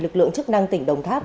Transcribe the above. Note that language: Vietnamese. lực lượng chức năng tỉnh đồng tháp